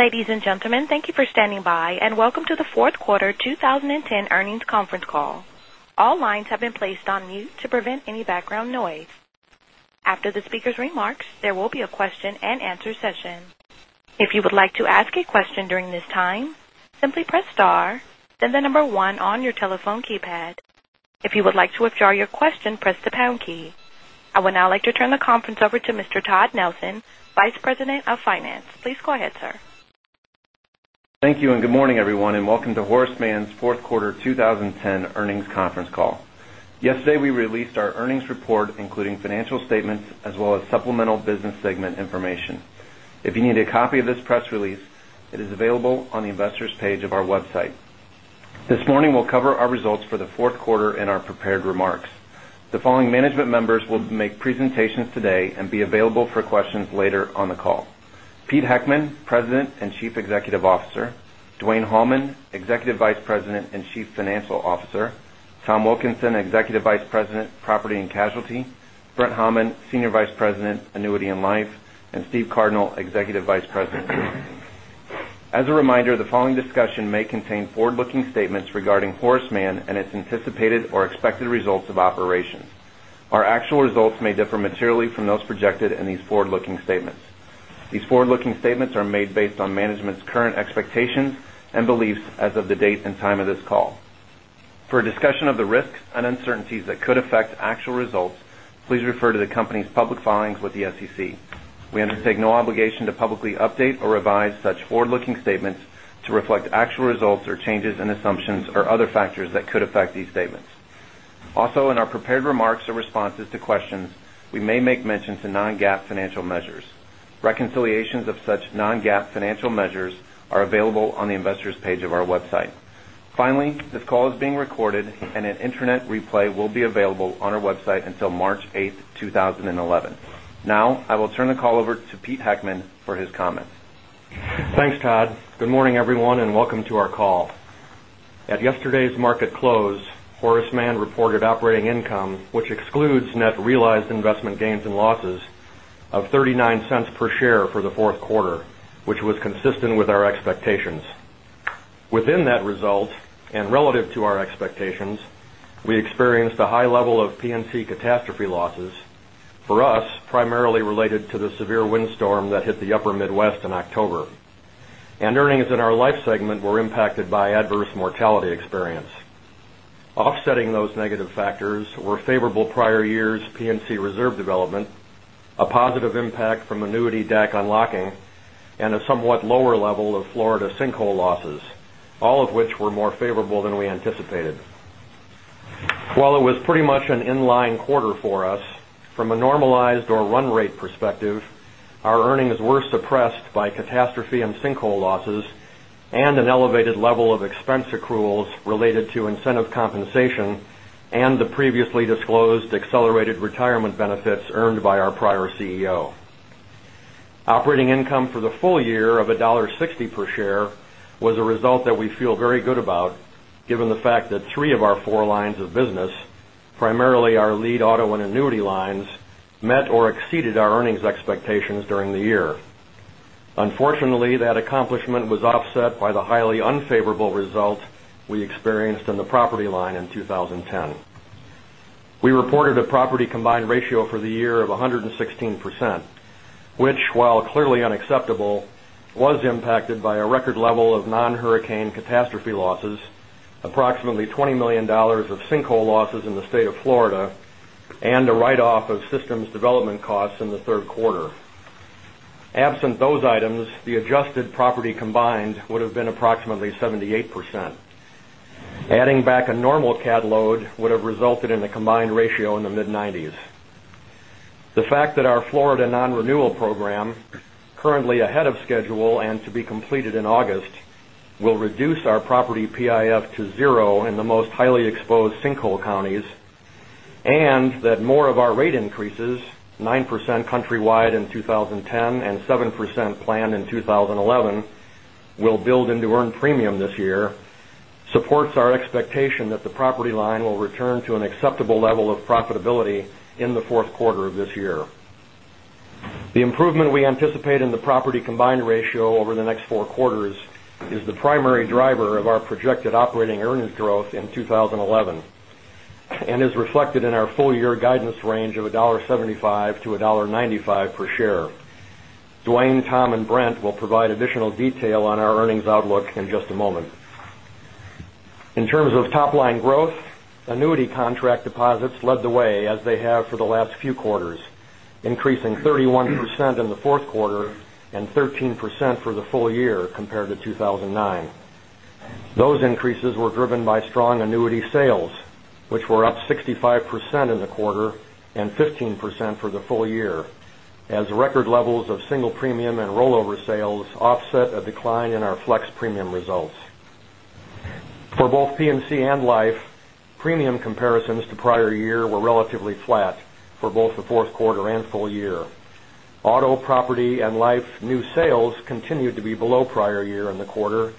Ladies and gentlemen, thank you for standing by, and welcome to the fourth quarter 2010 earnings conference call. All lines have been placed on mute to prevent any background noise. After the speaker's remarks, there will be a question and answer session. If you would like to ask a question during this time, simply press star, then the number 1 on your telephone keypad. If you would like to withdraw your question, press the pound key. I would now like to turn the conference over to Mr. Todd Nelson, Vice President of Finance. Please go ahead, sir. Thank you, and good morning, everyone, and welcome to Horace Mann's fourth quarter 2010 earnings conference call. Yesterday we released our earnings report, including financial statements as well as supplemental business segment information. If you need a copy of this press release, it is available on the investors page of our website. This morning, we'll cover our results for the fourth quarter in our prepared remarks. The following management members will make presentations today and be available for questions later on the call. Peter Heckman, President and Chief Executive Officer. Dwayne Hallman, Executive Vice President and Chief Financial Officer. Tom Wilkinson, Executive Vice President, Property and Casualty. Brent Hamann, Senior Vice President, Annuity and Life, and Steve Cardinal, Executive Vice President. As a reminder, the following discussion may contain forward-looking statements regarding Horace Mann and its anticipated or expected results of operations. Our actual results may differ materially from those projected in these forward-looking statements. These forward-looking statements are made based on management's current expectations and beliefs as of the date and time of this call. For a discussion of the risks and uncertainties that could affect actual results, please refer to the company's public filings with the SEC. We undertake no obligation to publicly update or revise such forward-looking statements to reflect actual results or changes in assumptions or other factors that could affect these statements. Also, in our prepared remarks or responses to questions, we may make mentions to non-GAAP financial measures. Reconciliations of such non-GAAP financial measures are available on the investors page of our website. Finally, this call is being recorded and an internet replay will be available on our website until March eighth, 2011. Now I will turn the call over to Peter Heckman for his comments. Thanks, Todd. Good morning, everyone, and welcome to our call. At yesterday's market close, Horace Mann reported operating income, which excludes net realized investment gains and losses of $0.39 per share for the fourth quarter, which was consistent with our expectations. Within that result and relative to our expectations, we experienced a high level of P&C catastrophe losses, for us, primarily related to the severe windstorm that hit the upper Midwest in October. And earnings in our Life segment were impacted by adverse mortality experience. Offsetting those negative factors were favorable prior years P&C reserve development, a positive impact from annuity DAC unlocking, and a somewhat lower level of Florida sinkhole losses, all of which were more favorable than we anticipated. While it was pretty much an in-line quarter for us, from a normalized or run rate perspective, our earnings were suppressed by catastrophe and sinkhole losses and an elevated level of expense accruals related to incentive compensation and the previously disclosed accelerated retirement benefits earned by our prior CEO. Operating income for the full year of $1.60 per share was a result that we feel very good about, given the fact that three of our four lines of business, primarily our lead auto and annuity lines, met or exceeded our earnings expectations during the year. Unfortunately, that accomplishment was offset by the highly unfavorable results we experienced in the property line in 2010. We reported a property combined ratio for the year of 116%, which, while clearly unacceptable, was impacted by a record level of non-hurricane catastrophe losses, approximately $20 million of sinkhole losses in the state of Florida, and a write-off of systems development costs in the third quarter. Absent those items, the adjusted property combined would've been approximately 78%. Adding back a normal cat load would've resulted in a combined ratio in the mid-90s. The fact that our Florida non-renewal program, currently ahead of schedule and to be completed in August, will reduce our property PIF to zero in the most highly exposed sinkhole counties, and that more of our rate increases, 9% countrywide in 2010 and 7% planned in 2011, will build into earned premium this year, supports our expectation that the property line will return to an acceptable level of profitability in the fourth quarter of this year. The improvement we anticipate in the property combined ratio over the next four quarters is the primary driver of our projected operating earnings growth in 2011 and is reflected in our full year guidance range of $1.75 to $1.95 per share. Dwayne, Tom, and Brent will provide additional detail on our earnings outlook in just a moment. In terms of top-line growth, annuity contract deposits led the way as they have for the last few quarters, increasing 31% in the fourth quarter and 13% for the full year compared to 2009. Those increases were driven by strong annuity sales, which were up 65% in the quarter and 15% for the full year as record levels of single premium and rollover sales offset a decline in our flex premium results. For both P&C and life, premium comparisons to prior year were relatively flat for both the fourth quarter and full year. Auto, property, and life new sales continued to be below prior year in the quarter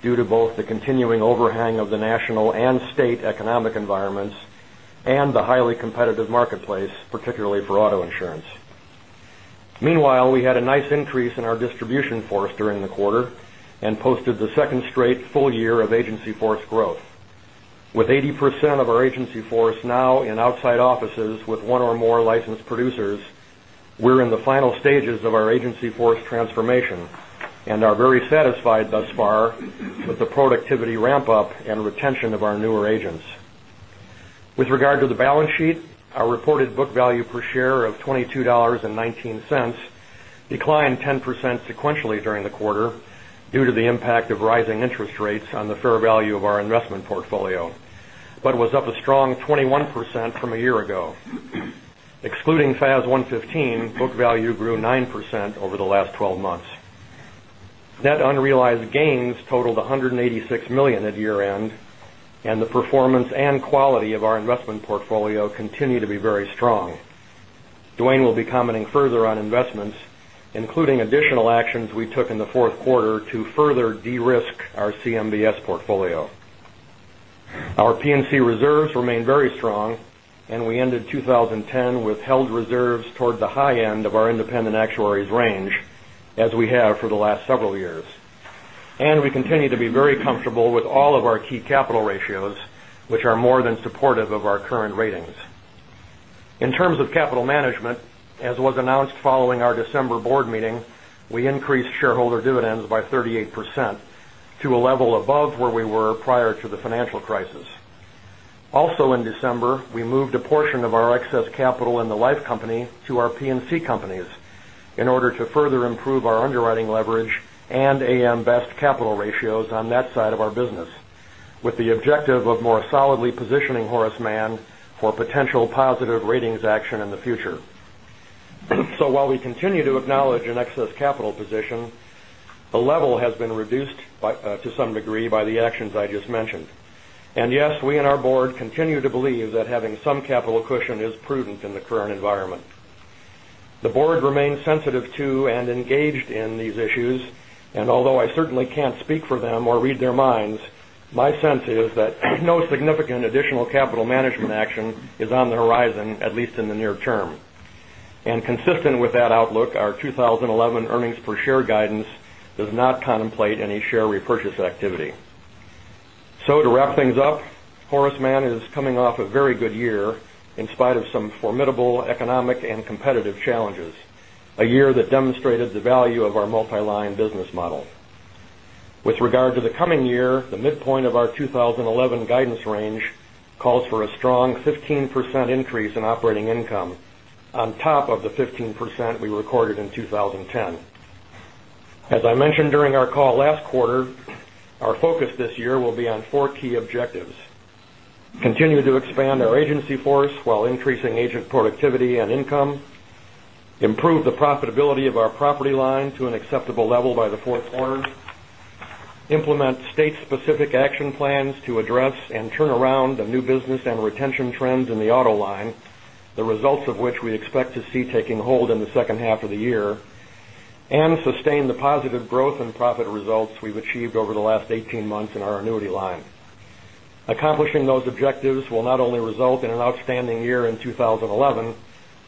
due to both the continuing overhang of the national and state economic environments the highly competitive marketplace, particularly for auto insurance. Meanwhile, we had a nice increase in our distribution force during the quarter and posted the second straight full year of agency force growth. With 80% of our agency force now in outside offices with one or more licensed producers, we're in the final stages of our agency force transformation and are very satisfied thus far with the productivity ramp-up and retention of our newer agents. With regard to the balance sheet, our reported book value per share of $22.19 declined 10% sequentially during the quarter due to the impact of rising interest rates on the fair value of our investment portfolio, but was up a strong 21% from a year ago. Excluding FAS 115, book value grew 9% over the last 12 months. Net unrealized gains totaled $186 million at year-end, and the performance and quality of our investment portfolio continue to be very strong. Dwayne will be commenting further on investments, including additional actions we took in the fourth quarter to further de-risk our CMBS portfolio. Our P&C reserves remain very strong, and we ended 2010 with held reserves toward the high end of our independent actuary's range, as we have for the last several years. We continue to be very comfortable with all of our key capital ratios, which are more than supportive of our current ratings. In terms of capital management, as was announced following our December board meeting, we increased shareholder dividends by 38% to a level above where we were prior to the financial crisis. Also in December, we moved a portion of our excess capital in the life company to our P&C companies in order to further improve our underwriting leverage and AM Best capital ratios on that side of our business, with the objective of more solidly positioning Horace Mann for potential positive ratings action in the future. While we continue to acknowledge an excess capital position, the level has been reduced to some degree by the actions I just mentioned. Yes, we and our board continue to believe that having some capital cushion is prudent in the current environment. The board remains sensitive to and engaged in these issues, and although I certainly can't speak for them or read their minds, my sense is that no significant additional capital management action is on the horizon, at least in the near term. Consistent with that outlook, our 2011 earnings per share guidance does not contemplate any share repurchase activity. To wrap things up, Horace Mann is coming off a very good year in spite of some formidable economic and competitive challenges, a year that demonstrated the value of our multi-line business model. With regard to the coming year, the midpoint of our 2011 guidance range calls for a strong 15% increase in operating income on top of the 15% we recorded in 2010. As I mentioned during our call last quarter, our focus this year will be on four key objectives. Continue to expand our agency force while increasing agent productivity and income. Improve the profitability of our property line to an acceptable level by the fourth quarter. Implement state-specific action plans to address and turn around the new business and retention trends in the auto line, the results of which we expect to see taking hold in the second half of the year. Sustain the positive growth and profit results we've achieved over the last 18 months in our annuity line. Accomplishing those objectives will not only result in an outstanding year in 2011,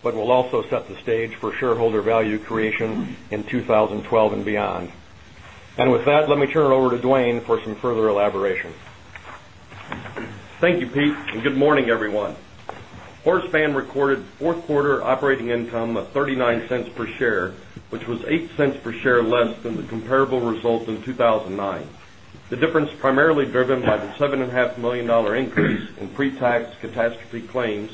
but will also set the stage for shareholder value creation in 2012 and beyond. With that, let me turn it over to Dwayne for some further elaboration. Thank you, Pete, and good morning, everyone. Horace Mann recorded fourth quarter operating income of $0.39 per share, which was $0.08 per share less than the comparable result in 2009. The difference primarily driven by the $7.5 million increase in pre-tax catastrophe claims,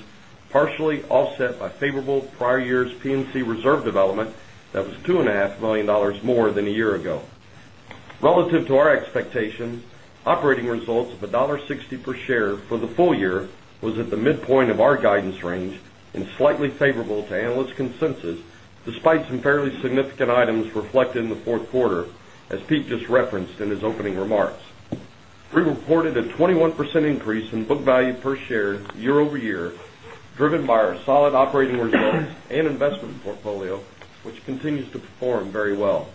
partially offset by favorable prior years' P&C reserve development that was $2.5 million more than a year ago. Relative to our expectations, operating results of $1.60 per share for the full year was at the midpoint of our guidance range and slightly favorable to analyst consensus, despite some fairly significant items reflected in the fourth quarter, as Pete just referenced in his opening remarks. We reported a 21% increase in book value per share year-over-year, driven by our solid operating results and investment portfolio, which continues to perform very well.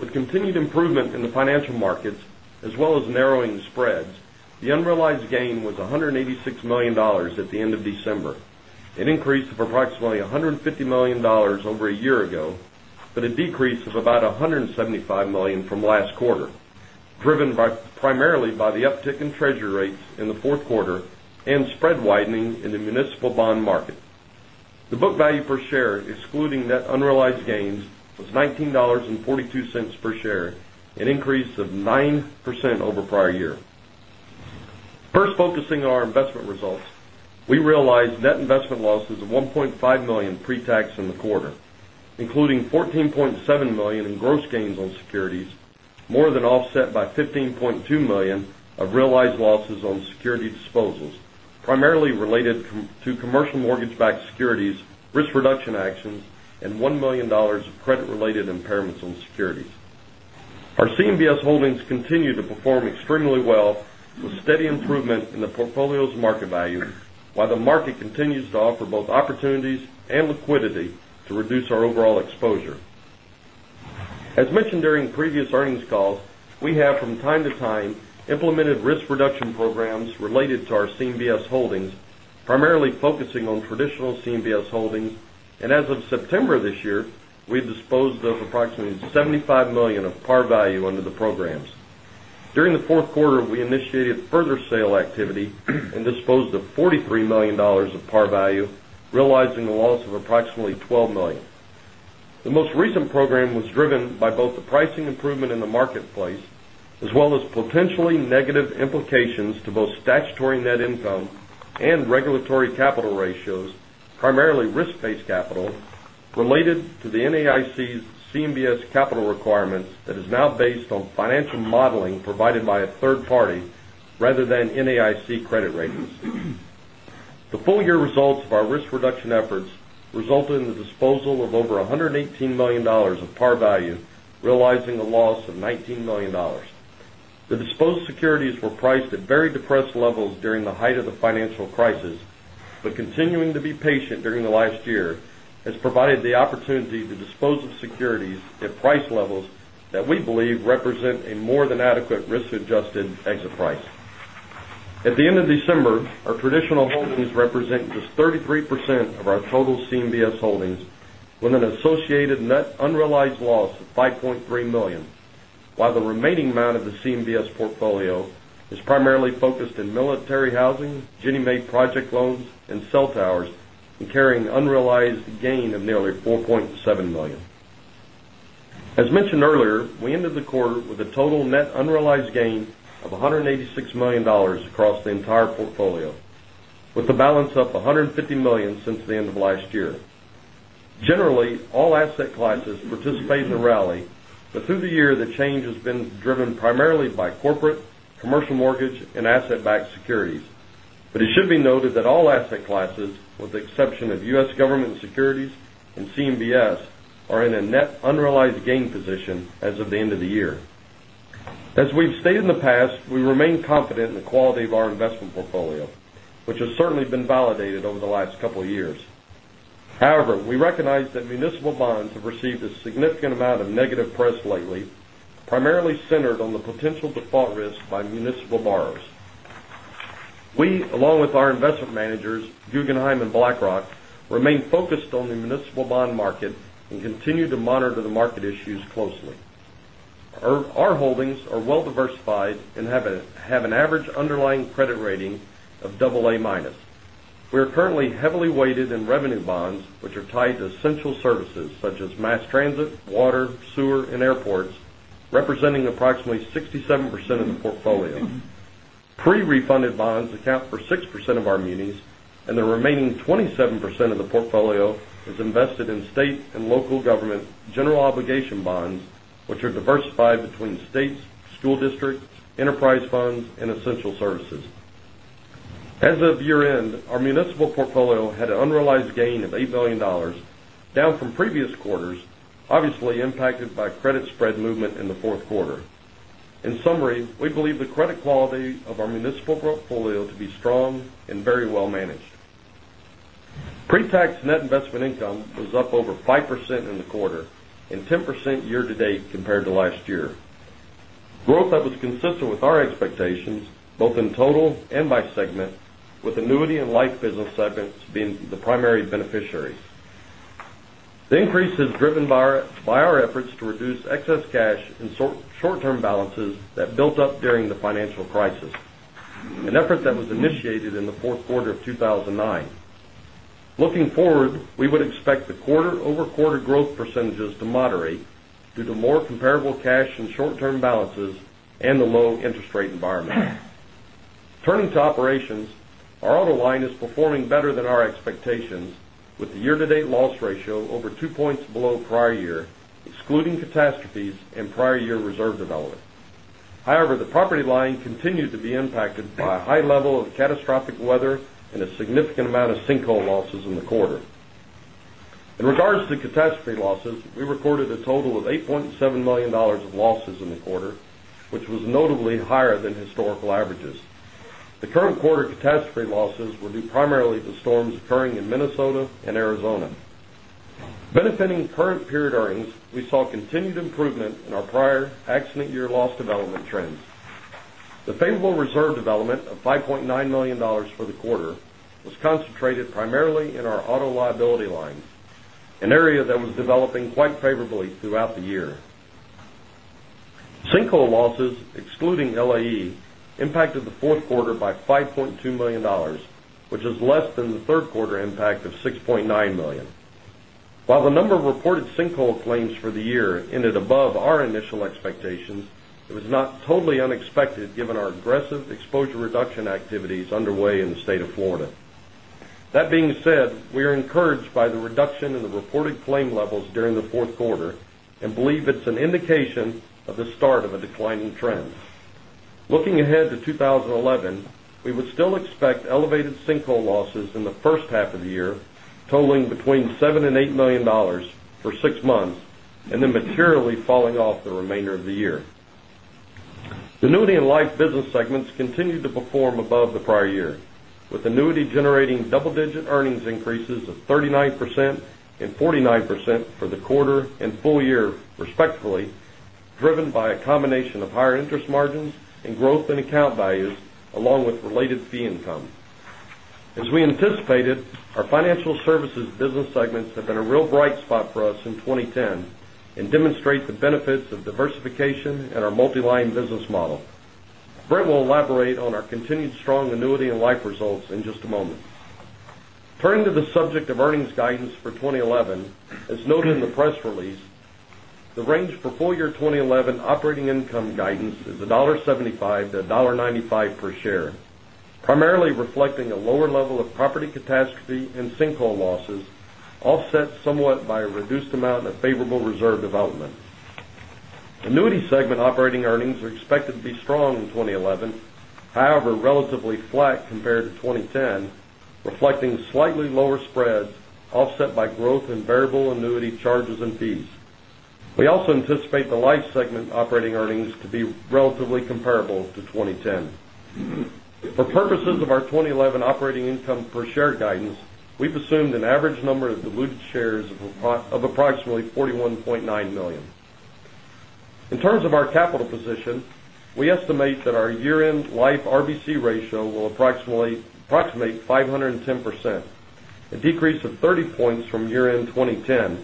With continued improvement in the financial markets, as well as narrowing spreads, the unrealized gain was $186 million at the end of December. An increase of approximately $150 million over a year ago, a decrease of about $175 million from last quarter, driven primarily by the uptick in treasury rates in the fourth quarter and spread widening in the municipal bond market. The book value per share, excluding net unrealized gains, was $19.42 per share, an increase of 9% over prior year. First focusing on our investment results, we realized net investment losses of $1.5 million pre-tax in the quarter, including $14.7 million in gross gains on securities, more than offset by $15.2 million of realized losses on security disposals, primarily related to commercial mortgage-backed securities risk reduction actions and $1 million of credit-related impairments on securities. Our CMBS holdings continue to perform extremely well with steady improvement in the portfolio's market value, while the market continues to offer both opportunities and liquidity to reduce our overall exposure. As mentioned during previous earnings calls, we have from time to time implemented risk reduction programs related to our CMBS holdings, primarily focusing on traditional CMBS holdings. As of September this year, we disposed of approximately $75 million of par value under the programs. During the fourth quarter, we initiated further sale activity and disposed of $43 million of par value, realizing a loss of approximately $12 million. The most recent program was driven by both the pricing improvement in the marketplace, as well as potentially negative implications to both statutory net income and regulatory capital ratios, primarily risk-based capital related to the NAIC's CMBS capital requirements that is now based on financial modeling provided by a third party rather than NAIC credit ratings. The full year results of our risk reduction efforts resulted in the disposal of over $118 million of par value, realizing a loss of $19 million. The disposed securities were priced at very depressed levels during the height of the financial crisis, continuing to be patient during the last year has provided the opportunity to dispose of securities at price levels that we believe represent a more than adequate risk-adjusted exit price. At the end of December, our traditional holdings represent just 33% of our total CMBS holdings, with an associated net unrealized loss of $5.3 million, while the remaining amount of the CMBS portfolio is primarily focused in military housing, Ginnie Mae project loans, and cell towers, and carrying unrealized gain of nearly $4.7 million. As mentioned earlier, we ended the quarter with a total net unrealized gain of $186 million across the entire portfolio. With the balance up $150 million since the end of last year. Generally, all asset classes participate in the rally, but through the year, the change has been driven primarily by corporate, commercial mortgage, and asset-backed securities. It should be noted that all asset classes, with the exception of U.S. government securities and CMBS, are in a net unrealized gain position as of the end of the year. As we've stated in the past, we remain confident in the quality of our investment portfolio, which has certainly been validated over the last couple of years. We recognize that municipal bonds have received a significant amount of negative press lately, primarily centered on the potential default risk by municipal borrowers. We, along with our investment managers, Guggenheim and BlackRock, remain focused on the municipal bond market and continue to monitor the market issues closely. Our holdings are well diversified and have an average underlying credit rating of double A minus. We are currently heavily weighted in revenue bonds, which are tied to essential services such as mass transit, water, sewer, and airports, representing approximately 67% of the portfolio. Pre-refunded bonds account for 6% of our munis, and the remaining 27% of the portfolio is invested in state and local government general obligation bonds, which are diversified between states, school districts, enterprise funds, and essential services. As of year-end, our municipal portfolio had an unrealized gain of $8 million, down from previous quarters, obviously impacted by credit spread movement in the fourth quarter. We believe the credit quality of our municipal portfolio to be strong and very well managed. Pre-tax net investment income was up over 5% in the quarter and 10% year-to-date compared to last year, growth that was consistent with our expectations both in total and by segment, with annuity and life business segments being the primary beneficiaries. The increase is driven by our efforts to reduce excess cash and short-term balances that built up during the financial crisis, an effort that was initiated in the fourth quarter of 2009. Looking forward, we would expect the quarter-over-quarter growth percentages to moderate due to more comparable cash and short-term balances and the low interest rate environment. Turning to operations, our auto line is performing better than our expectations The current quarter catastrophe losses were due primarily to storms occurring in Minnesota and Arizona. Benefiting current period earnings, we saw continued improvement in our prior accident year loss development trends. The favorable reserve development of $5.9 million for the quarter was concentrated primarily in our auto liability lines, an area that was developing quite favorably throughout the year. Sinkhole losses, excluding LAE, impacted the fourth quarter by $5.2 million, which is less than the third quarter impact of $6.9 million. While the number of reported sinkhole claims for the year ended above our initial expectations, it was not totally unexpected given our aggressive exposure reduction activities underway in the state of Florida. That being said, we are encouraged by the reduction in the reported claim levels during the fourth quarter and believe it's an indication of the start of a declining trend. Looking ahead to 2011, we would still expect elevated sinkhole losses in the first half of the year, totaling between $7 million and $8 million for six months, and then materially falling off the remainder of the year. The annuity and life business segments continued to perform above the prior year, with annuity generating double-digit earnings increases of 39% and 49% for the quarter and full year respectively, driven by a combination of higher interest margins and growth in account values, along with related fee income. As we anticipated, our financial services business segments have been a real bright spot for us in 2010 and demonstrate the benefits of diversification and our multi-line business model. Brent will elaborate on our continued strong annuity and life results in just a moment. Turning to the subject of earnings guidance for 2011, as noted in the press release, the range for full-year 2011 operating income guidance is $1.75 to $1.95 per share, primarily reflecting a lower level of property catastrophe and sinkhole losses, offset somewhat by a reduced amount of favorable reserve development. Annuity segment operating earnings are expected to be strong in 2011, however, relatively flat compared to 2010, reflecting slightly lower spreads offset by growth in variable annuity charges and fees. We also anticipate the life segment operating earnings to be relatively comparable to 2010. For purposes of our 2011 operating income per share guidance, we've assumed an average number of diluted shares of approximately 41.9 million. In terms of our capital position, we estimate that our year-end life RBC ratio will approximate 510%, a decrease of 30 points from year-end 2010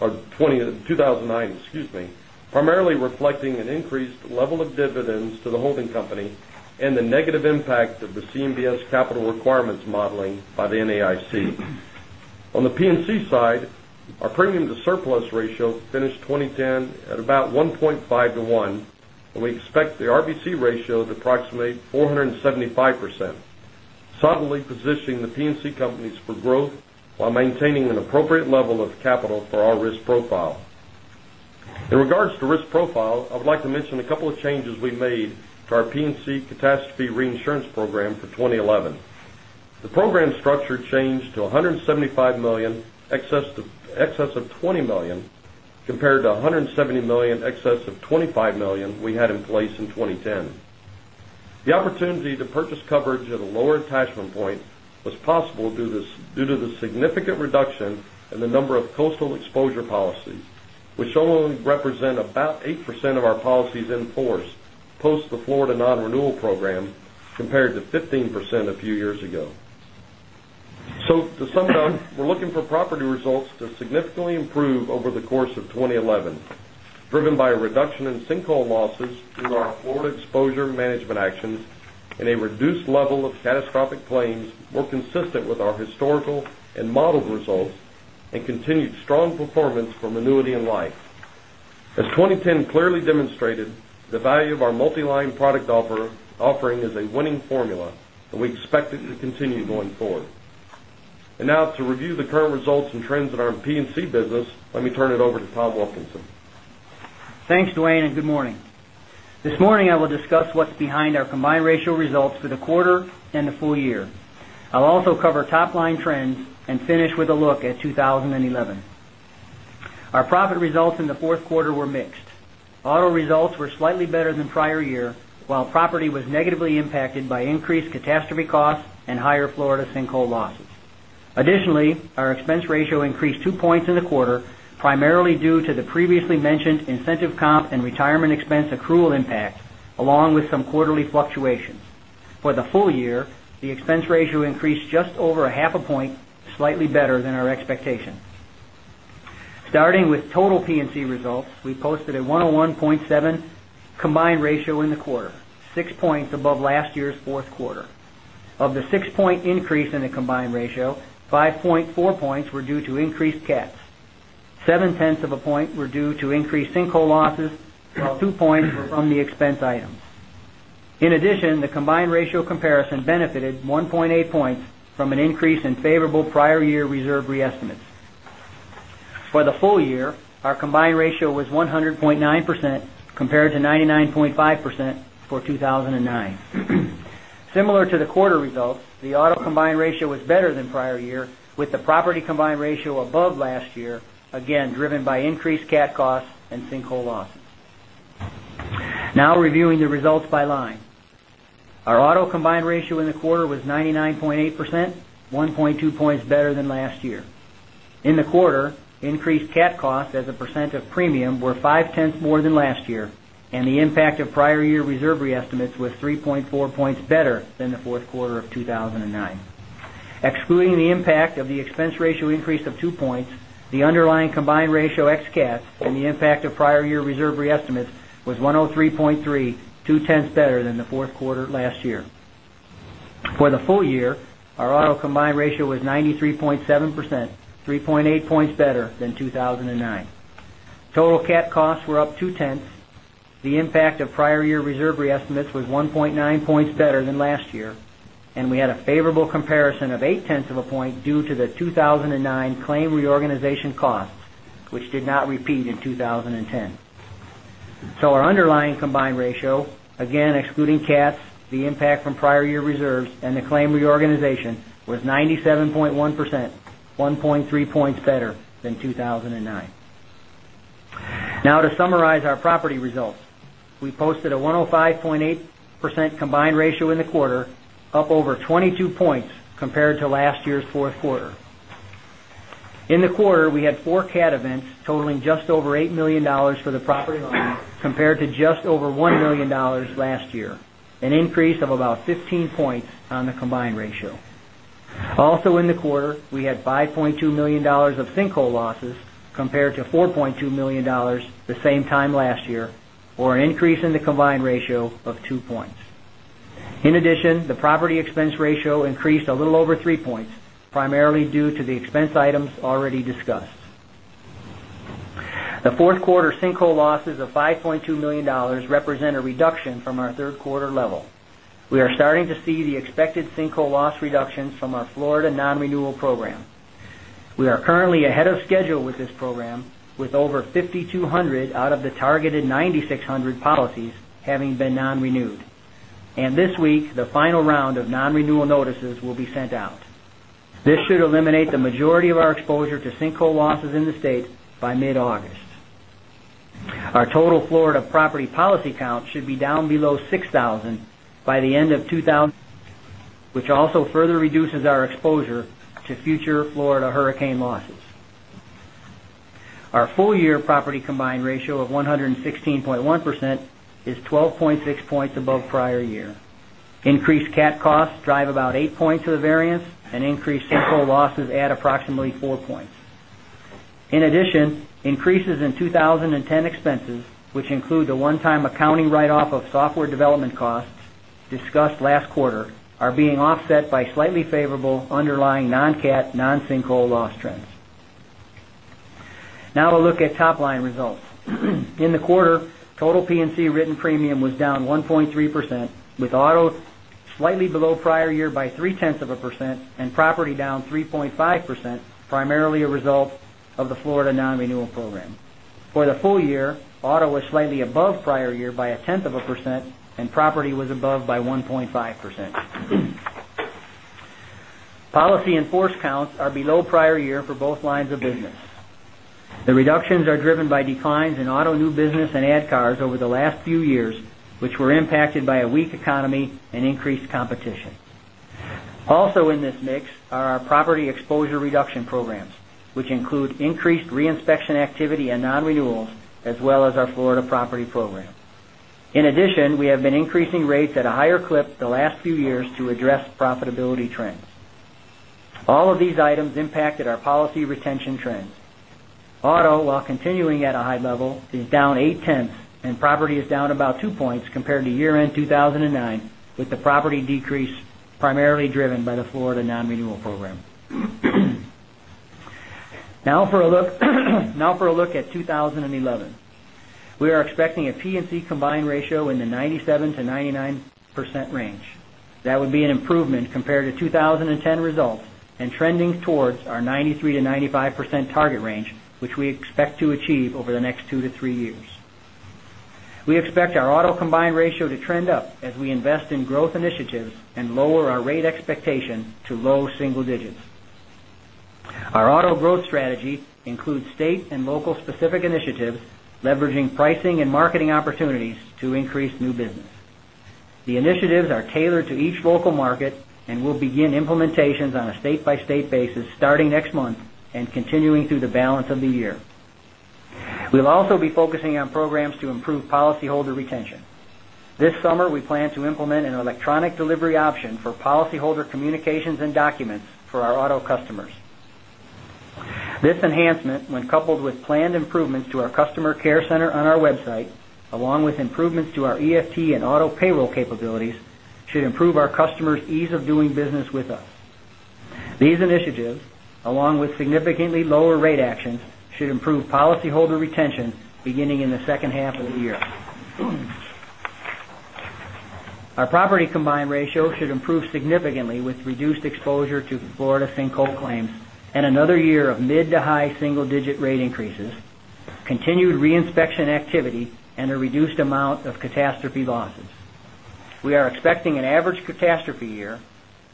Or 2009, excuse me, primarily reflecting an increased level of dividends to the holding company and the negative impact of the CMBS capital requirements modeling by the NAIC. On the P&C side, our premium to surplus ratio finished 2010 at about 1.5 to one, and we expect the RBC ratio to approximate 475%, solidly positioning the P&C companies for growth while maintaining an appropriate level of capital for our risk profile. In regards to risk profile, I would like to mention a couple of changes we've made to our P&C catastrophe reinsurance program for 2011. The program structure changed to $175 million excess of $20 million, compared to $170 million excess of $25 million we had in place in 2010. The opportunity to purchase coverage at a lower attachment point was possible due to the significant reduction in the number of coastal exposure policies, which only represent about 8% of our policies in force post the Florida non-renewal program, compared to 15% a few years ago. To sum it up, we're looking for property results to significantly improve over the course of 2011, driven by a reduction in sinkhole losses through our Florida exposure management actions and a reduced level of catastrophic claims more consistent with our historical and modeled results and continued strong performance from annuity and life. As 2010 clearly demonstrated, the value of our multi-line product offering is a winning formula, and we expect it to continue going forward. Now to review the current results and trends in our P&C business, let me turn it over to Tom Wilkinson. Thanks, Dwayne, and good morning. This morning, I will discuss what's behind our combined ratio results for the quarter and the full year. I'll also cover top-line trends and finish with a look at 2011. Our profit results in the fourth quarter were mixed. Auto results were slightly better than prior year, while property was negatively impacted by increased catastrophe costs and higher Florida sinkhole losses. Additionally, our expense ratio increased two points in the quarter, primarily due to the previously mentioned incentive comp and retirement expense accrual impact, along with some quarterly fluctuations. For the full year, the expense ratio increased just over a half a point, slightly better than our expectation. Starting with total P&C results, we posted a 101.7 combined ratio in the quarter, six points above last year's fourth quarter. Of the six-point increase in the combined ratio, 5.4 points were due to increased cats. Seven-tenths of a point were due to increased sinkhole losses, while two points were on the expense items. In addition, the combined ratio comparison benefited 1.8 points from an increase in favorable prior year reserve re-estimates. For the full year, our combined ratio was 100.9% compared to 99.5% for 2009. Similar to the quarter results, the auto combined ratio was better than prior year, with the property combined ratio above last year, again driven by increased cat costs and sinkhole losses. Now reviewing the results by line. Our auto combined ratio in the quarter was 99.8%, 1.2 points better than last year. In the quarter, increased cat costs as a percent of premium were five-tenths more than last year, and the impact of prior year reserve re-estimates was 3.4 points better than the fourth quarter of 2009. Excluding the impact of the expense ratio increase of two points, the underlying combined ratio ex CAT and the impact of prior year reserve re-estimates was 103.3, two-tenths better than the fourth quarter last year. For the full year, our auto combined ratio was 93.7%, 3.8 points better than 2009. Total cat costs were up two-tenths. The impact of prior year reserve re-estimates was 1.9 points better than last year, and we had a favorable comparison of eight-tenths of a point due to the 2009 claim reorganization costs, which did not repeat in 2010. Our underlying combined ratio, again, excluding cats, the impact from prior year reserves, and the claim reorganization, was 97.1% 1.3 points better than 2009. Now, to summarize our property results, we posted a 105.8% combined ratio in the quarter, up over 22 points compared to last year's fourth quarter. In the quarter, we had four cat events totaling just over $8 million for the property line compared to just over $1 million last year, an increase of about 15 points on the combined ratio. Also in the quarter, we had $5.2 million of sinkhole losses compared to $4.2 million the same time last year, or an increase in the combined ratio of two points. In addition, the property expense ratio increased a little over three points, primarily due to the expense items already discussed. The fourth quarter sinkhole losses of $5.2 million represent a reduction from our third quarter level. We are starting to see the expected sinkhole loss reductions from our Florida non-renewal program. We are currently ahead of schedule with this program, with over 5,200 out of the targeted 9,600 policies having been non-renewed. This week, the final round of non-renewal notices will be sent out. This should eliminate the majority of our exposure to sinkhole losses in the state by mid-August. Our total Florida property policy count should be down below 6,000 by the end of 2011, which also further reduces our exposure to future Florida hurricane losses. Our full-year property combined ratio of 116.1% is 12.6 points above prior year. Increased cat costs drive about eight points of the variance and increased sinkhole losses add approximately four points. In addition, increases in 2010 expenses, which include the one-time accounting write-off of software development costs discussed last quarter, are being offset by slightly favorable underlying non-cat, non-sinkhole loss trends. We'll look at top-line results. In the quarter, total P&C written premium was down 1.3%, with auto slightly below prior year by three-tenths of a percent and property down 3.5%, primarily a result of the Florida non-renewal program. For the full year, auto was slightly above prior year by a tenth of a percent, and property was above by 1.5%. Policy in force counts are below prior year for both lines of business. The reductions are driven by declines in auto new business and add cars over the last few years, which were impacted by a weak economy and increased competition. Also in this mix are our property exposure reduction programs, which include increased re-inspection activity and non-renewals, as well as our Florida property program. In addition, we have been increasing rates at a higher clip the last few years to address profitability trends. All of these items impacted our policy retention trends. Auto, while continuing at a high level, is down eight-tenths, and property is down about two points compared to year-end 2009, with the property decrease primarily driven by the Florida non-renewal program. For a look at 2011. We are expecting a P&C combined ratio in the 97%-99% range. That would be an improvement compared to 2010 results and trending towards our 93%-95% target range, which we expect to achieve over the next two to three years. We expect our auto combined ratio to trend up as we invest in growth initiatives and lower our rate expectation to low single digits. Our auto growth strategy includes state and local specific initiatives, leveraging pricing and marketing opportunities to increase new business. The initiatives are tailored to each local market and will begin implementations on a state-by-state basis starting next month and continuing through the balance of the year. We'll also be focusing on programs to improve policyholder retention. This summer, we plan to implement an electronic delivery option for policyholder communications and documents for our auto customers. This enhancement, when coupled with planned improvements to our customer care center on our website, along with improvements to our EFT and auto payroll capabilities, should improve our customers' ease of doing business with us. These initiatives, along with significantly lower rate actions, should improve policyholder retention beginning in the second half of the year. Our property combined ratio should improve significantly with reduced exposure to Florida sinkhole claims and another year of mid to high single-digit rate increases, continued re-inspection activity, and a reduced amount of catastrophe losses. We are expecting an average catastrophe year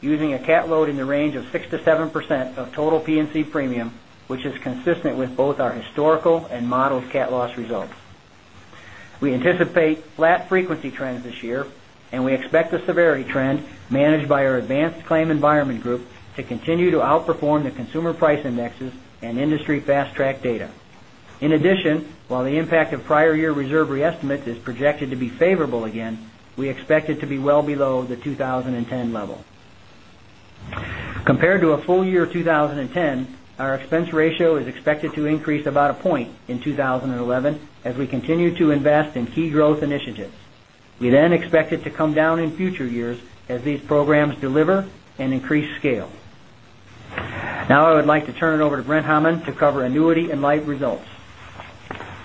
using a cat load in the range of 6%-7% of total P&C premium, which is consistent with both our historical and modeled cat loss results. We anticipate flat frequency trends this year, and we expect the severity trend managed by our advanced claim environment group to continue to outperform the consumer price indexes and industry Fast Track data. In addition, while the impact of prior year reserve re-estimates is projected to be favorable again, we expect it to be well below the 2010 level. Compared to a full year 2010, our expense ratio is expected to increase about a point in 2011 as we continue to invest in key growth initiatives. We then expect it to come down in future years as these programs deliver and increase scale. Now I would like to turn it over to Brent Hamman to cover annuity and life results.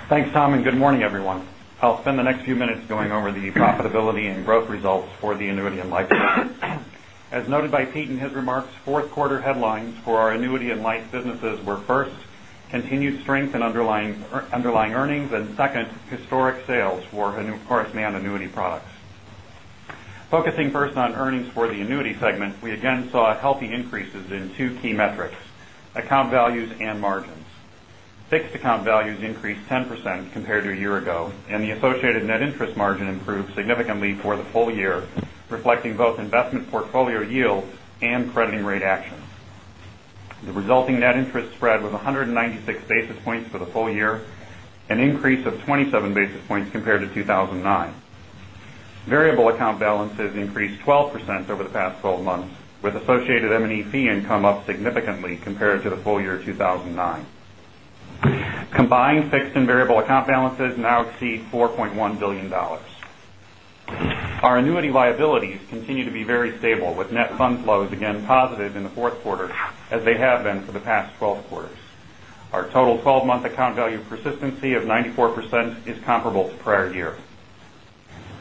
Thanks, Tom, and good morning, everyone. I'll spend the next few minutes going over the profitability and growth results for the annuity and life business. As noted by Pete in his remarks, fourth quarter headlines for our annuity and life businesses were, first, continued strength in underlying earnings, and second, historic sales for Horace Mann annuity products. Focusing first on earnings for the annuity segment, we again saw healthy increases in two key metrics, account values and margins. Fixed account values increased 10% compared to a year ago, and the associated net interest margin improved significantly for the full year, reflecting both investment portfolio yields and crediting rate actions. The resulting net interest spread was 196 basis points for the full year, an increase of 27 basis points compared to 2009. Variable account balances increased 12% over the past 12 months, with associated M&E fee income up significantly compared to the full year 2009. Combined fixed and variable account balances now exceed $4.1 billion. Our annuity liabilities continue to be very stable, with net fund flows again positive in the fourth quarter as they have been for the past 12 quarters. Our total 12-month account value persistency of 94% is comparable to prior year.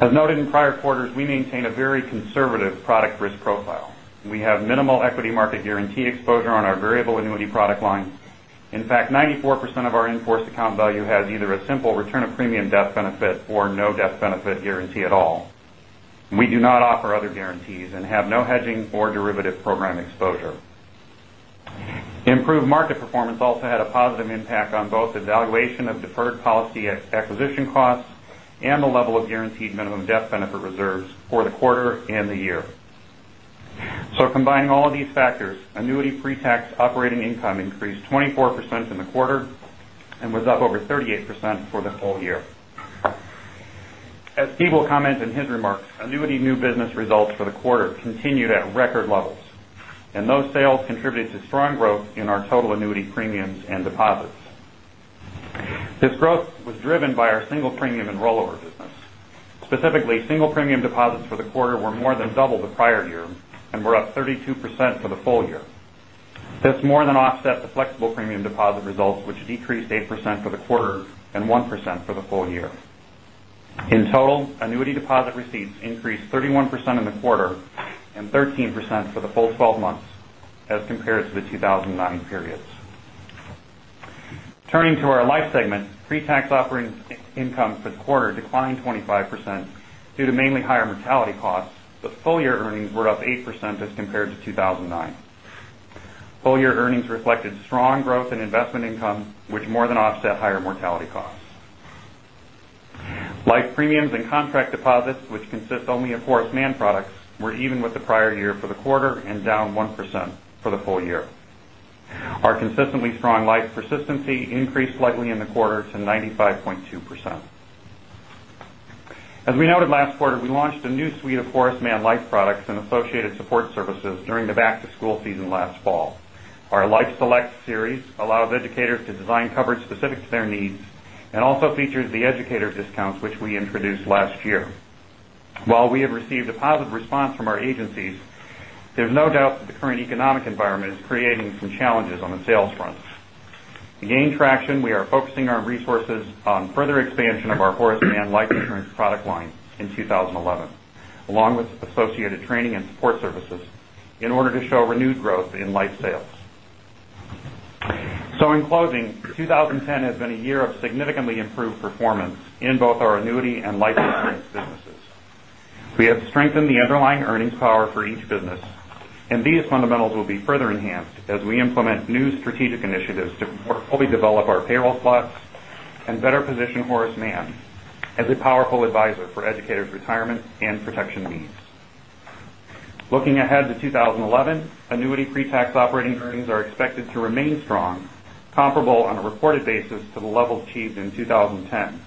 As noted in prior quarters, we maintain a very conservative product risk profile. We have minimal equity market guarantee exposure on our variable annuity product line. In fact, 94% of our in-force account value has either a simple return of premium death benefit or no death benefit guarantee at all. We do not offer other guarantees and have no hedging or derivative program exposure. Improved market performance also had a positive impact on both the valuation of deferred policy acquisition costs and the level of guaranteed minimum death benefit reserves for the quarter and the year. Combining all of these factors, annuity pre-tax operating income increased 24% in the quarter and was up over 38% for the whole year. As Steve will comment in his remarks, annuity new business results for the quarter continued at record levels, and those sales contributed to strong growth in our total annuity premiums and deposits. This growth was driven by our single premium and rollover business. Specifically, single premium deposits for the quarter were more than double the prior year and were up 32% for the full year. This more than offset the flexible premium deposit results, which decreased 8% for the quarter and 1% for the full year. Annuity deposit receipts increased 31% in the quarter and 13% for the full 12 months as compared to the 2009 periods. Turning to our life segment, pre-tax operating income for the quarter declined 25% due to mainly higher mortality costs, but full year earnings were up 8% as compared to 2009. Full year earnings reflected strong growth in investment income, which more than offset higher mortality costs. Life premiums and contract deposits, which consist only of Horace Mann products, were even with the prior year for the quarter and down 1% for the full year. Our consistently strong life persistency increased slightly in the quarter to 95.2%. As we noted last quarter, we launched a new suite of Horace Mann Life products and associated support services during the back-to-school season last fall. Our Life Select series allows educators to design coverage specific to their needs and also features the educator discounts which we introduced last year. While we have received a positive response from our agencies, there's no doubt that the current economic environment is creating some challenges on the sales front. To gain traction, we are focusing our resources on further expansion of our Horace Mann life insurance product line in 2011, along with associated training and support services in order to show renewed growth in life sales. In closing, 2010 has been a year of significantly improved performance in both our annuity and life insurance businesses. We have strengthened the underlying earnings power for each business, and these fundamentals will be further enhanced as we implement new strategic initiatives to more fully develop our payroll slots and better position Horace Mann as a powerful advisor for educators' retirement and protection needs. Looking ahead to 2011, annuity pre-tax operating earnings are expected to remain strong, comparable on a reported basis to the levels achieved in 2010.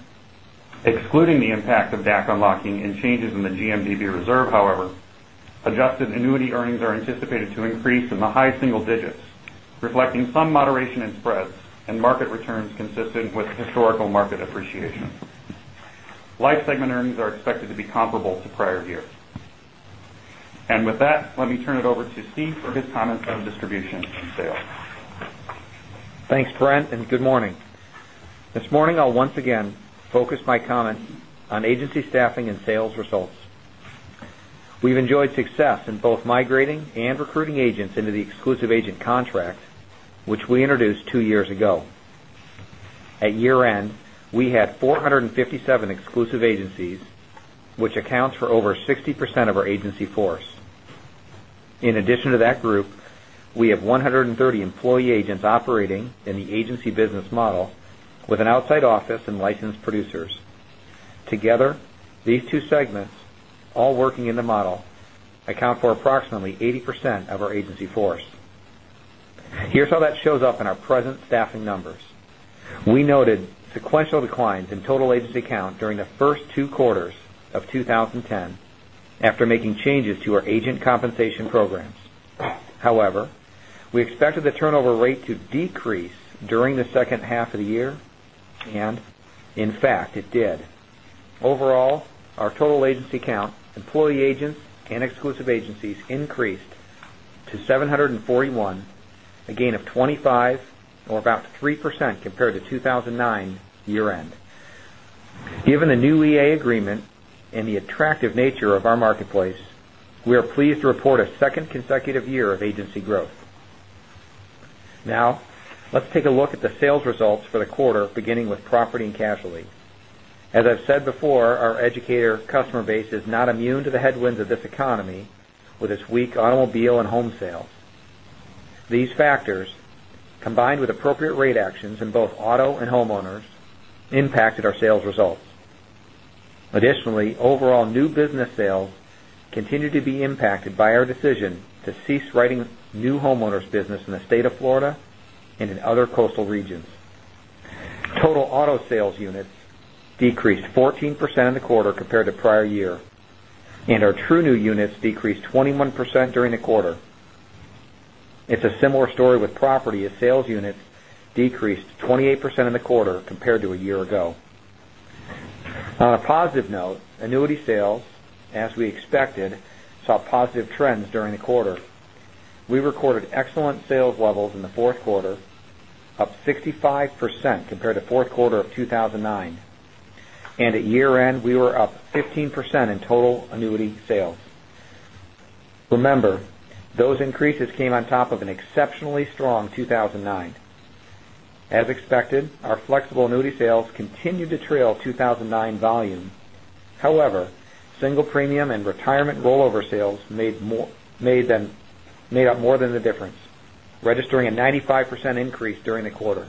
Excluding the impact of DAC unlocking and changes in the GMDB reserve, however, adjusted annuity earnings are anticipated to increase in the high single digits, reflecting some moderation in spreads and market returns consistent with historical market appreciation. Life segment earnings are expected to be comparable to prior years. With that, let me turn it over to Steve for his comments on distribution and sales. Thanks, Brent, and good morning. This morning, I'll once again focus my comments on agency staffing and sales results. We've enjoyed success in both migrating and recruiting agents into the exclusive agent contract, which we introduced two years ago. At year-end, we had 457 exclusive agencies, which accounts for over 60% of our agency force. In addition to that group, we have 130 employee agents operating in the agency business model with an outside office and licensed producers. Together, these two segments, all working in the model, account for approximately 80% of our agency force. Here's how that shows up in our present staffing numbers. We noted sequential declines in total agency count during the first two quarters of 2010 after making changes to our agent compensation programs. However, we expected the turnover rate to decrease during the second half of the year and, in fact, it did. Overall, our total agency count, employee agents, and exclusive agencies increased to 741, a gain of 25 or about 3% compared to 2009 year-end. Given the new EA agreement and the attractive nature of our marketplace, we are pleased to report a second consecutive year of agency growth. Now, let's take a look at the sales results for the quarter, beginning with property and casualty. As I've said before, our educator customer base is not immune to the headwinds of this economy with its weak automobile and home sales. These factors, combined with appropriate rate actions in both auto and homeowners, impacted our sales results. Additionally, overall new business sales continue to be impacted by our decision to cease writing new homeowners business in the state of Florida and in other coastal regions. Total auto sales units decreased 14% in the quarter compared to prior year, and our true new units decreased 21% during the quarter. It's a similar story with property, as sales units decreased 28% in the quarter compared to a year ago. On a positive note, annuity sales, as we expected, saw positive trends during the quarter. We recorded excellent sales levels in the fourth quarter, up 65% compared to fourth quarter of 2009. At year end, we were up 15% in total annuity sales. Remember, those increases came on top of an exceptionally strong 2009. As expected, our flexible annuity sales continued to trail 2009 volume. However, single premium and retirement rollover sales made up more than the difference, registering a 95% increase during the quarter.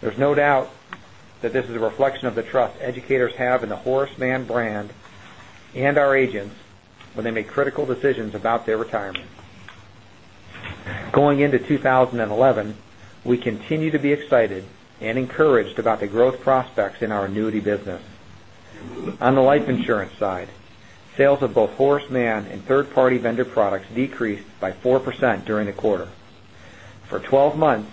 There's no doubt that this is a reflection of the trust educators have in the Horace Mann brand and our agents when they make critical decisions about their retirement. Going into 2011, we continue to be excited and encouraged about the growth prospects in our annuity business. On the life insurance side, sales of both Horace Mann and third-party vendor products decreased by 4% during the quarter. For the 12 months,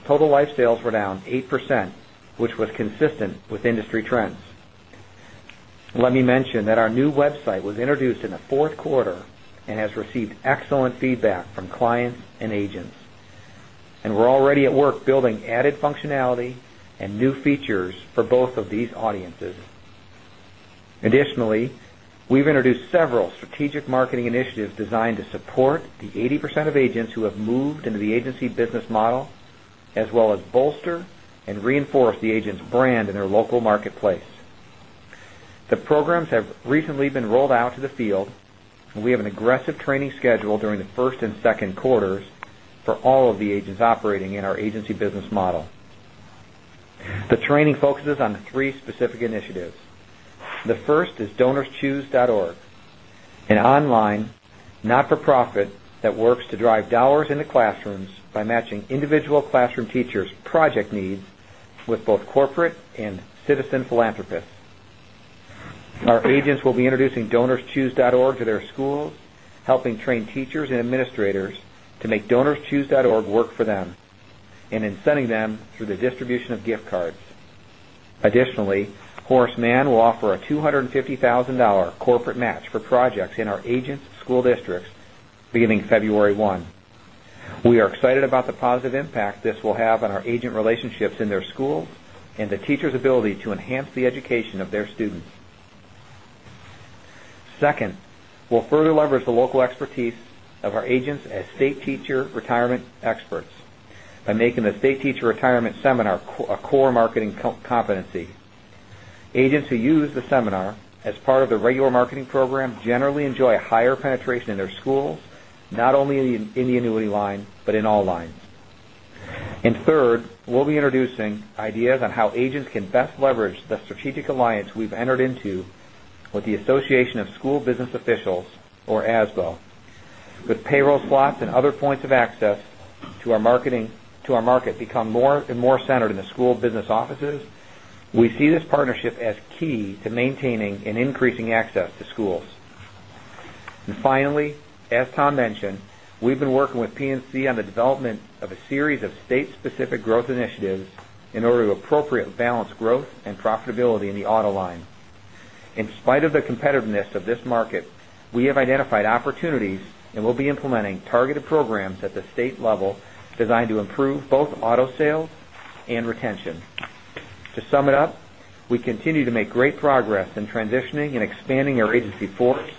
total life sales were down 8%, which was consistent with industry trends. Let me mention that our new website was introduced in the fourth quarter and has received excellent feedback from clients and agents, and we're already at work building added functionality and new features for both of these audiences. Additionally, we've introduced several strategic marketing initiatives designed to support the 80% of agents who have moved into the agency business model, as well as bolster and reinforce the agent's brand in their local marketplace. The programs have recently been rolled out to the field, and we have an aggressive training schedule during the first and second quarters for all of the agents operating in our agency business model. The training focuses on three specific initiatives. The first is DonorsChoose.org, an online not-for-profit that works to drive dollars into classrooms by matching individual classroom teachers' project needs with both corporate and citizen philanthropists. Our agents will be introducing DonorsChoose.org to their schools, helping train teachers and administrators to make DonorsChoose.org work for them, and in sending them through the distribution of gift cards. Additionally, Horace Mann will offer a $250,000 corporate match for projects in our agents' school districts beginning February 1. We are excited about the positive impact this will have on our agent relationships in their schools and the teachers' ability to enhance the education of their students. Second, we'll further leverage the local expertise of our agents as state teacher retirement experts by making the state teacher retirement seminar a core marketing competency. Agents who use the seminar as part of their regular marketing program generally enjoy a higher penetration in their schools, not only in the annuity line, but in all lines. Third, we'll be introducing ideas on how agents can best leverage the strategic alliance we've entered into with the Association of School Business Officials, or ASBO. With payroll slots and other points of access to our market become more and more centered in the school business offices, we see this partnership as key to maintaining and increasing access to schools. Finally, as Tom mentioned, we've been working with P&C on the development of a series of state-specific growth initiatives in order to appropriately balance growth and profitability in the auto line. In spite of the competitiveness of this market, we have identified opportunities and will be implementing targeted programs at the state level designed to improve both auto sales and retention. To sum it up, we continue to make great progress in transitioning and expanding our agency force,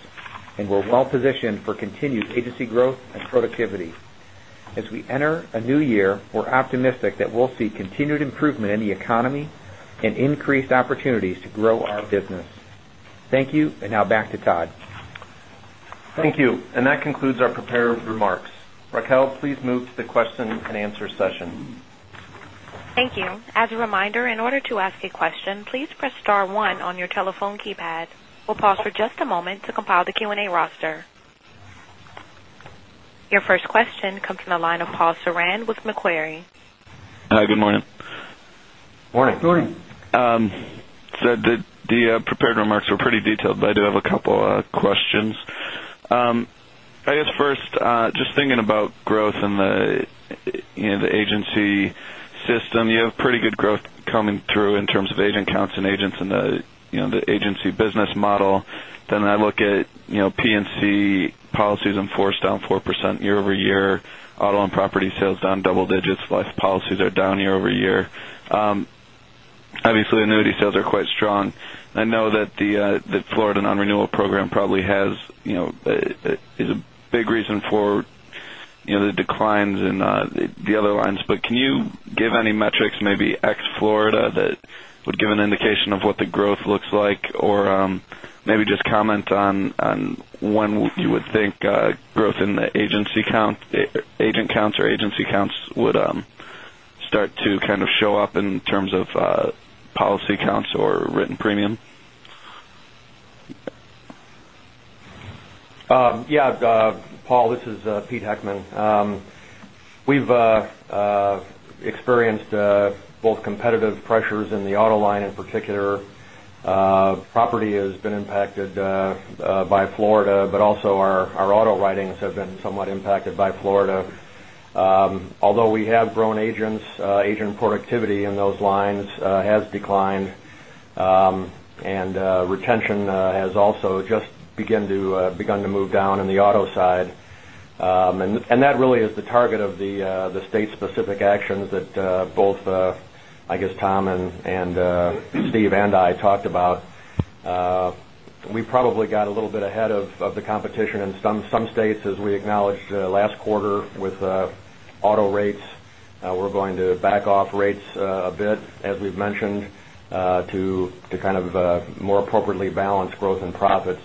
and we're well positioned for continued agency growth and productivity. As we enter a new year, we're optimistic that we'll see continued improvement in the economy and increased opportunities to grow our business. Thank you, and now back to Todd. Thank you. That concludes our prepared remarks. Raquel, please move to the question and answer session. Thank you. As a reminder, in order to ask a question, please press star 1 on your telephone keypad. We will pause for just a moment to compile the Q&A roster. Your first question comes from the line of Paul Cironi with Macquarie. Hi, good morning. Morning. Morning. The prepared remarks were pretty detailed, I do have a couple of questions. I guess first, just thinking about growth in the agency system, you have pretty good growth coming through in terms of agent counts and agents in the agency business model. I look at P&C policies in force down 4% year-over-year. Auto and property sales down double digits. Life policies are down year-over-year. Obviously, annuity sales are quite strong. I know that the Florida non-renewal program probably is a big reason for the declines in the other lines. Can you give any metrics, maybe ex Florida, that would give an indication of what the growth looks like? Or maybe just comment on when you would think growth in the agent counts or agency counts would start to show up in terms of policy counts or written premium. Yeah. Paul Cironi, this is Peter Heckman. We've experienced both competitive pressures in the auto line, in particular. Property has been impacted by Florida, but also our auto writings have been somewhat impacted by Florida. Although we have grown agents, agent productivity in those lines has declined. Retention has also just begun to move down in the auto side. That really is the target of the state-specific actions that both, I guess, Tom and Steve and I talked about. We probably got a little bit ahead of the competition in some states, as we acknowledged last quarter with auto rates. We're going to back off rates a bit, as we've mentioned, to more appropriately balance growth and profit.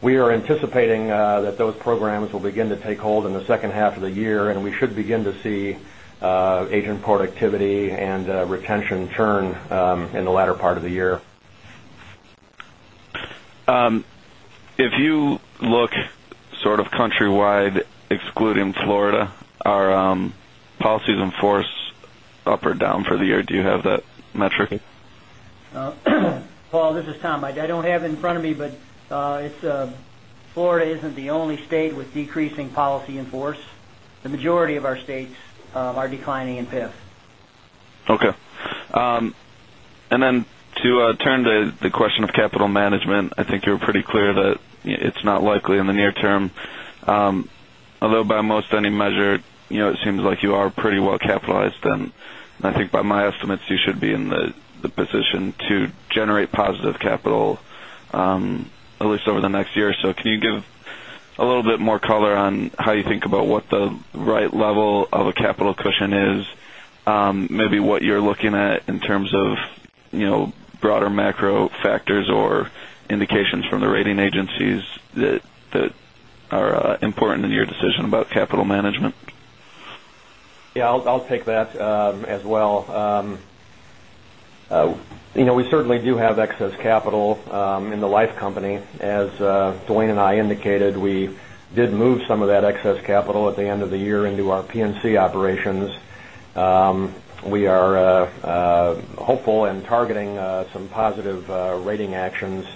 We are anticipating that those programs will begin to take hold in the second half of the year, and we should begin to see agent productivity and retention churn in the latter part of the year. If you look countrywide, excluding Florida, are policies in force up or down for the year? Do you have that metric? Paul Cironi, this is Tom. I don't have it in front of me, Florida isn't the only state with decreasing policy in force. The majority of our states are declining in PIF. Okay. Then to turn to the question of capital management, I think you were pretty clear that it's not likely in the near term. Although by most any measure, it seems like you are pretty well capitalized then. I think by my estimates, you should be in the position to generate positive capital, at least over the next year. Can you give a little bit more color on how you think about what the right level of a capital cushion is? Maybe what you're looking at in terms of broader macro factors or indications from the rating agencies that are important in your decision about capital management. Yeah, I'll take that as well. We certainly do have excess capital in the life company. As Dwayne and I indicated, we did move some of that excess capital at the end of the year into our P&C operations. We are hopeful in targeting some positive rating actions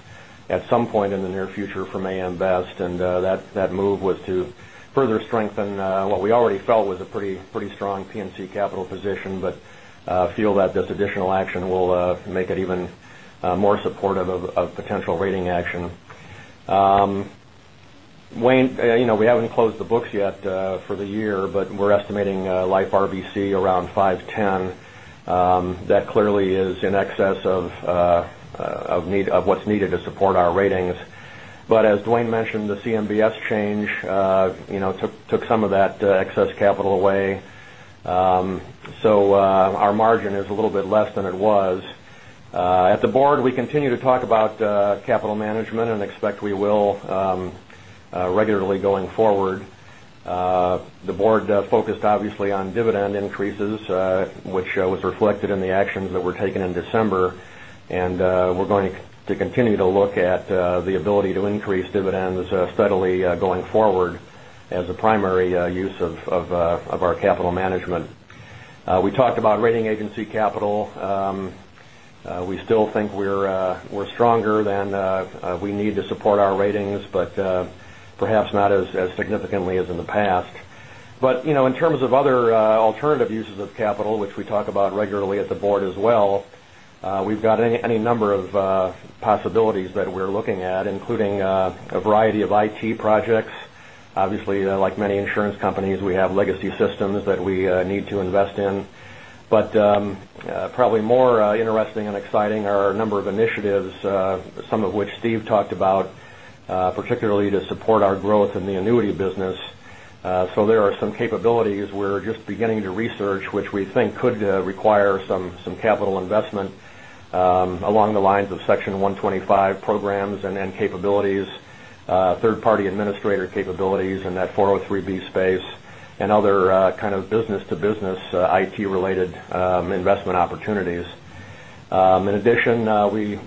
at some point in the near future from AM Best. That move was to further strengthen what we already felt was a pretty strong P&C capital position, feel that this additional action will make it even more supportive of potential rating action. Dwayne, we haven't closed the books yet for the year, but we're estimating life RBC around 510. That clearly is in excess of what's needed to support our ratings. As Dwayne mentioned, the CMBS change took some of that excess capital away. Our margin is a little bit less than it was. At the board, we continue to talk about capital management and expect we will regularly going forward. The board focused obviously on dividend increases, which was reflected in the actions that were taken in December. We're going to continue to look at the ability to increase dividends steadily going forward as a primary use of our capital management. We talked about rating agency capital. We still think we're stronger than we need to support our ratings, but perhaps not as significantly as in the past. In terms of other alternative uses of capital, which we talk about regularly at the board as well, we've got any number of possibilities that we're looking at, including a variety of IT projects. Obviously, like many insurance companies, we have legacy systems that we need to invest in. Probably more interesting and exciting are a number of initiatives, some of which Steve talked about, particularly to support our growth in the annuity business. There are some capabilities we're just beginning to research, which we think could require some capital investment along the lines of Section 125 programs and capabilities, third-party administrator capabilities in that 403 space, and other kind of business-to-business, IT-related investment opportunities. In addition,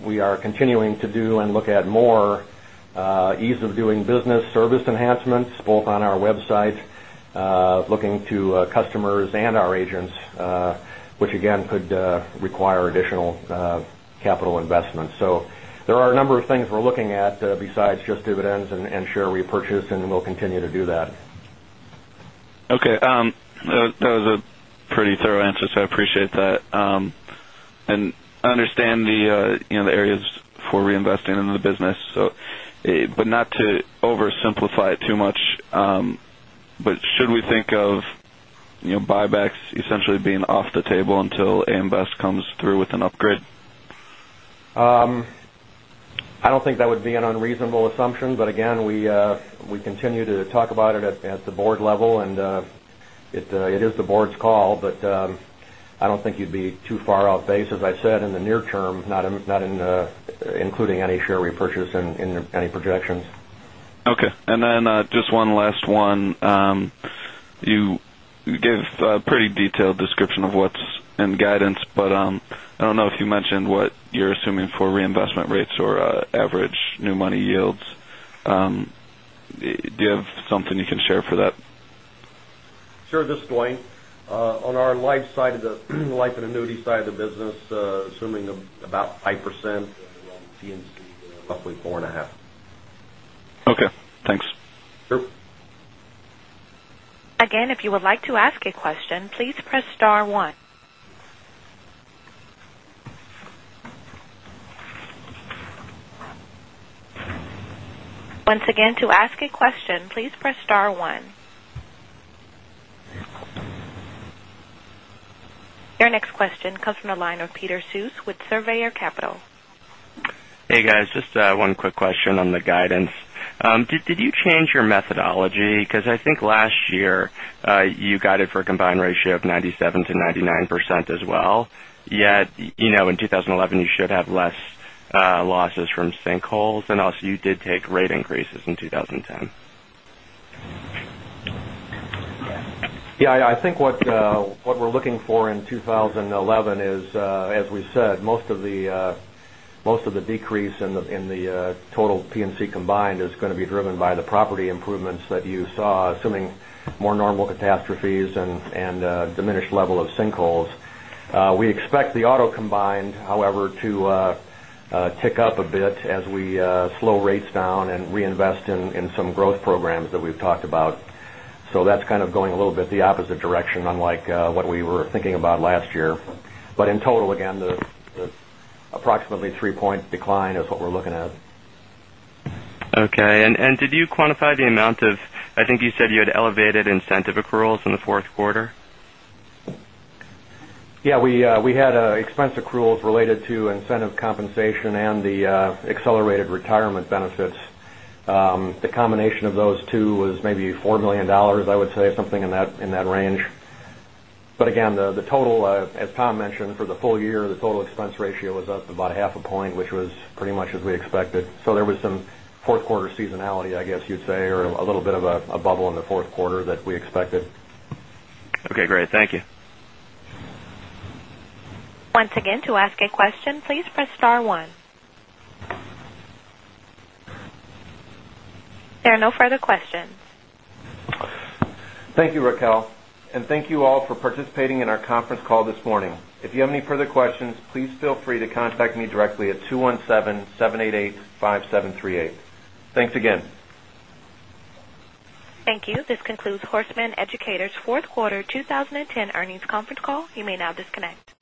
we are continuing to do and look at more ease of doing business service enhancements, both on our website, looking to customers and our agents, which again, could require additional capital investment. There are a number of things we're looking at besides just dividends and share repurchase, we'll continue to do that. Okay. That was a pretty thorough answer, so I appreciate that. I understand the areas for reinvesting into the business. Not to oversimplify it too much, should we think of buybacks essentially being off the table until AM Best comes through with an upgrade? I don't think that would be an unreasonable assumption. Again, we continue to talk about it at the board level, and it is the board's call. I don't think you'd be too far off base, as I said, in the near term, not including any share repurchase in any projections. Okay. Just one last one. You gave a pretty detailed description of what's in the guidance, but I don't know if you mentioned what you're assuming for reinvestment rates or average new money yields. Do you have something you can share for that? Sure. This is Dwayne. On our life and annuity side of the business, assuming about 5%, and on P&C, roughly 4.5%. Okay, thanks. Sure. Again, if you would like to ask a question, please press star one. Once again, to ask a question, please press star one. Your next question comes from the line of Peter Seuss with Surveyor Capital. Hey, guys. Just one quick question on the guidance. Did you change your methodology? I think last year, you guided for a combined ratio of 97%-99% as well. In 2011, you should have less losses from sinkholes, and also you did take rate increases in 2010. Yeah. I think what we're looking for in 2011 is, as we said, most of the decrease in the total P&C combined is going to be driven by the property improvements that you saw, assuming more normal catastrophes and a diminished level of sinkholes. We expect the auto combined, however, to tick up a bit as we slow rates down and reinvest in some growth programs that we've talked about. That's kind of going a little bit the opposite direction, unlike what we were thinking about last year. In total, again, the approximately three-point decline is what we're looking at. Okay. Did you quantify the amount of, I think you said you had elevated incentive accruals in the fourth quarter? Yeah. We had expense accruals related to incentive compensation and the accelerated retirement benefits. The combination of those two was maybe $4 million, I would say, something in that range. Again, the total, as Tom mentioned, for the full year, the total expense ratio was up about half a point, which was pretty much as we expected. There was some fourth quarter seasonality, I guess you'd say, or a little bit of a bubble in the fourth quarter that we expected. Okay, great. Thank you. Once again, to ask a question, please press star one. There are no further questions. Thank you, Raquel. Thank you all for participating in our conference call this morning. If you have any further questions, please feel free to contact me directly at 217-788-5738. Thanks again. Thank you. This concludes Horace Mann Educators' fourth quarter 2010 earnings conference call. You may now disconnect.